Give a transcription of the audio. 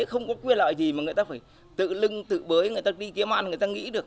không có quyền lợi gì mà người ta phải tự lưng tự bới người ta đi kiếm an người ta nghĩ được